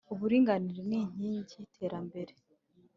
Uburinganire ni inkingi y’iterambere.